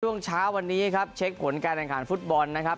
ช่วงเช้าวันนี้ครับเช็คผลการแข่งขันฟุตบอลนะครับ